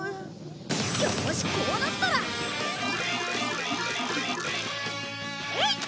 よしこうなったら！えいっ！